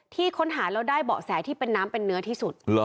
ค้นหาแล้วได้เบาะแสที่เป็นน้ำเป็นเนื้อที่สุด